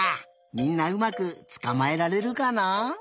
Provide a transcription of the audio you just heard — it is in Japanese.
みんなうまくつかまえられるかな？